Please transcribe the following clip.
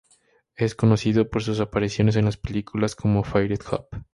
Es conocido por sus apariciones en las películas como "Fired Up!